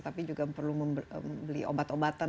tapi juga perlu membeli obat obatan